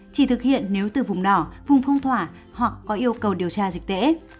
chỉ thực hiện nếu từ vùng đỏ vùng phong tỏa hoặc có yêu cầu điều tra dịch tễ